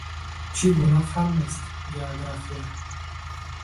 Чӣ гуна фаннест география?